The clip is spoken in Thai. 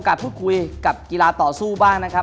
คือคุณไม่ลำบากแน่นอน